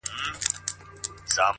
سیاه پوسي ده، خُم چپه پروت دی